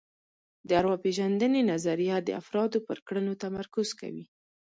د ارواپېژندنې نظریه د افرادو پر کړنو تمرکز کوي